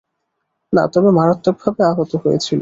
না, তবে মারাত্মকভাবে আহত হয়েছিলো।